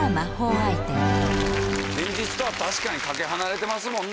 現実とは確かに懸け離れてますもんね。